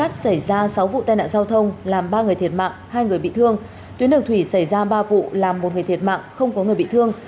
tuyến đường thủy xảy ra ba vụ làm một người thiệt mạng không có người bị thương